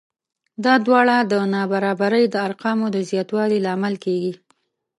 دا دواړه د نابرابرۍ د ارقامو د زیاتوالي لامل کېږي